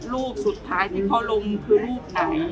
รูปสุดท้ายที่เขาลงคือรูปไหน